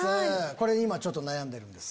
これ今ちょっと悩んでるんです？